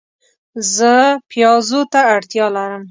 زه پیازو ته اړتیا لرم